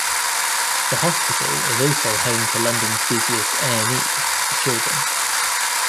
The hospital is also home to London's busiest A and E for children.